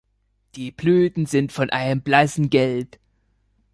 Die Blüten sind von einem blassen Gelb.